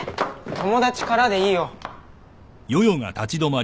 友達からでいいよ。